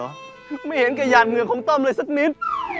ไม่เห็นแกหยาดเหงื่อของต้อมเลยสักนิด